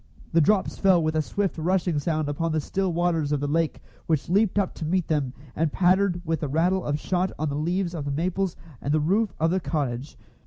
The drops fell with a swift rushing sound upon the still waters of the lake, which leaped up to meet them, and pattered with the rattle of shot on the leaves of the maples and the roof of the cottage.